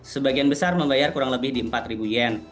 sebagian besar membayar kurang lebih di empat ribu yen